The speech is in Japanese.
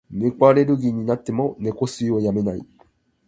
猫アレルギーになっても、猫吸いをやめない。